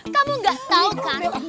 kamu nggak tau kan